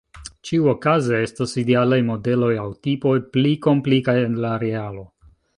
Ĉiuokaze, estas idealaj modeloj aŭ tipoj, pli komplikaj en la realo.